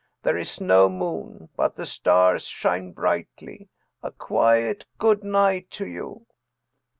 There is no moon, but the stars shine brightly. A quiet good night to you."